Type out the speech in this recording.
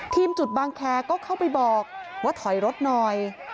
ทีมจุดบางแคก็เข้าไปบอกว่าถอยรถนอย